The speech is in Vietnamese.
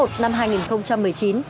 trường nội chú